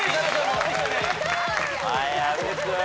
はい阿部君。